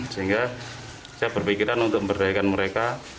sehingga saya berpikiran untuk memberdayakan mereka